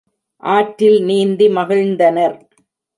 ஆற்றில் நீந்தி மகிழ்ந்தனர்.